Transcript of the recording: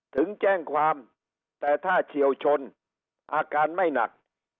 ถึงแจ้งความแต่ถ้าเฉียวชนอาการไม่หนัก